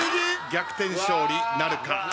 逆転勝利なるか。